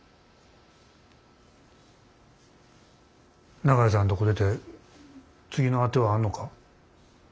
長井さんとこ出て次の当てはあんのか？